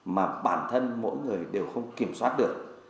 mà bản thân mỗi người đều không kiểm soát được